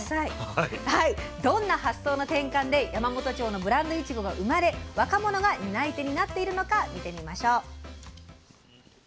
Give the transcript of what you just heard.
どんな発想の転換で山元町のブランドいちごが生まれ若者が担い手になっているのか見てみましょう。